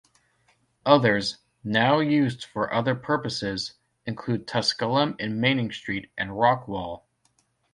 Others, now used for other purposes, include Tusculum in Manning Street and Rockwall.